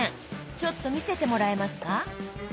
ちょっと見せてもらえますか？